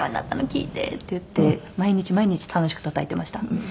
聴いて！」って言って毎日毎日楽しくたたいてました。